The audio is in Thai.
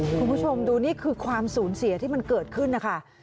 คุณผู้ชมดูนี่คือความสูญเสียที่มันเกิดขึ้นนะคะ